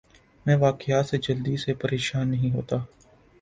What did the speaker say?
میں واقعات سے جلدی سے پریشان نہیں ہوتا